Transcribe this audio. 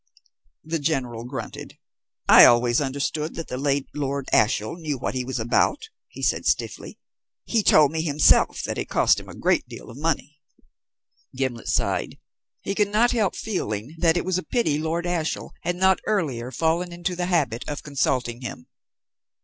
The General grunted. "I always understood that the late Lord Ashiel knew what he was about," he said stiffly. "He told me himself that it cost him a great deal of money." Gimblet sighed. He could not help feeling that it was a pity Lord Ashiel had not earlier fallen into the habit of consulting him.